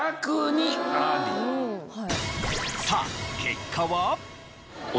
さあ結果は。